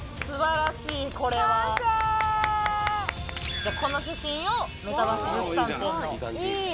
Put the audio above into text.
じゃあこの写真をメタバース物産展の。